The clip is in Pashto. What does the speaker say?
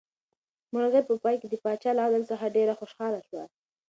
مرغۍ په پای کې د پاچا له عدل څخه ډېره خوشحاله شوه.